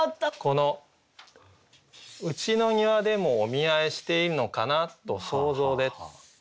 この「うちの庭でもお見合いしているのかな。と想像で」。